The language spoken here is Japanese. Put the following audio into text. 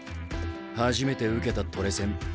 初めて受けたトレセン。